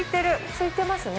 空いてますね。